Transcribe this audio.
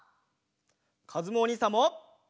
かずむおにいさんも。